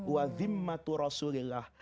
wadim matur rasulullah